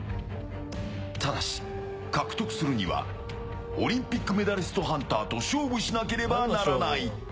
ただし、獲得するにはオリンピックメダリストハンターと勝負しなければならない。